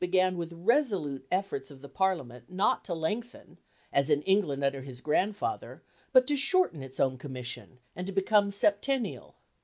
began with resolute efforts of the Parliament not to lengthen, as in England under his grandfather, but to shorten its own commission, and to become septennial.